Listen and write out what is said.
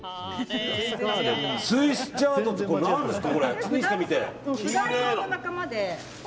スイスチャードって何ですか。